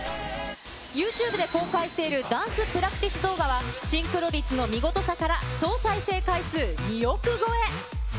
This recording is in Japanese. ユーチューブで公開しているダンスプラクティス動画は、シンクロ率の見事さから、総再生回数２億超え。